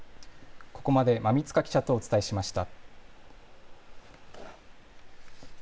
ここまで馬見塚記者とお伝えしました。